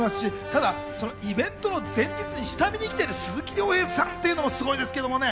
ただ、イベントの前日に下見に来てる鈴木亮平さんもすごいですけどね。